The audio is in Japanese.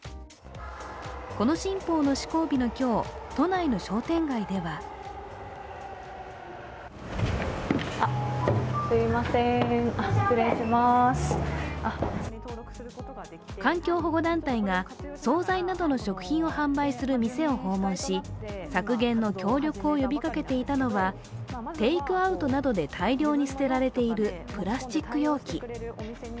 この新法の施行日の今日都内の商店街では環境保護団体などが総菜などの食品を販売する店を訪問し、削減の協力を呼びかけていたのはテークアウトなどで大量に捨てられているプラスチック容器。